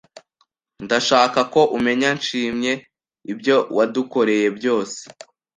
Ndashaka ko umenya Nshimye ibyo wadukoreye byose.